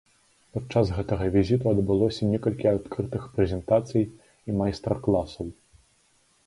Падчас гэтага візіту адбылося некалькі адкрытых прэзентацый і майстар-класаў.